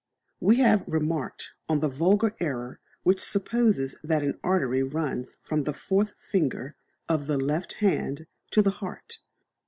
"We have remarked on the vulgar error which supposes that an artery runs from the fourth finger of the left hand to the heart.